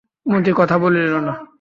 মতি কথা বলিল না।